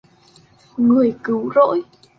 người cứu rỗi